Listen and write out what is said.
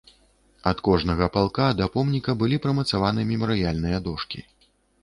Ад кожнага палка да помніка былі прымацаваны мемарыяльныя дошкі.